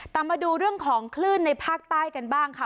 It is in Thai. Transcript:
แต่มาดูเรื่องของคลื่นในภาคใต้กันบ้างค่ะ